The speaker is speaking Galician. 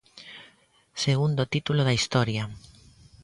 Segundo título da historia.